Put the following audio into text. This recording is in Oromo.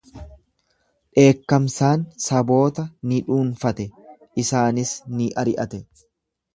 Dheekkamsaan saboota ni dhuunfate, isaanis ni ari’ate.